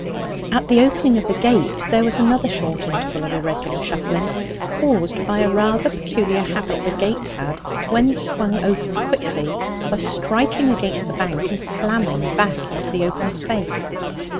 At the opening of the gate there was another short interval of irregular shuffling, caused by a rather peculiar habit the gate had, when swung open quickly, of striking against the bank and slamming back into the opener's face.